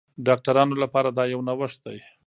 ډاکټرانو لپاره دا یو نوښت دی.